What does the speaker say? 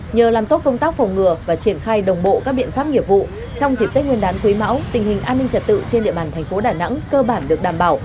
nhờ làm tốt công tác phổng ngừa